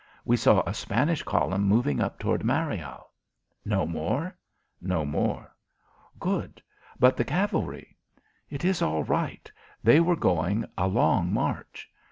We saw a Spanish column moving off toward Mariel." "No more?" "No more." "Good. But the cavalry?" "It is all right. They were going a long march."